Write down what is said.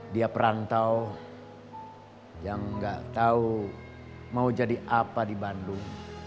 dia perantau yang gak tahu mau jadi apa di bandung